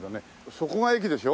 そこが駅でしょ？